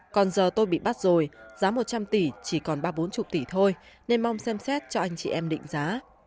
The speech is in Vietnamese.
còn giờ tôi bị bắt rồi giá một trăm linh tỷ chỉ còn ba bốn mươi tỷ thôi nên mong xem xét cho anh chị em định giá